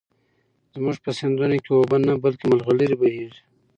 زموږ په سيندونو کې اوبه نه، بلكې ملغلرې بهېږي.